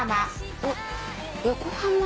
あっ横浜！